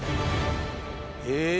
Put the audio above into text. へえ。